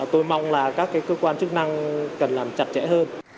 tôi mong là các cơ quan chức năng cần làm chặt chẽ hơn